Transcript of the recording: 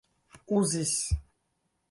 uzis